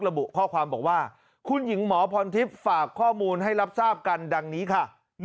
ระบุข้อความบอกว่าคุณหญิงหมอพรทิพย์ฝากข้อมูลให้รับทราบกันดังนี้ค่ะ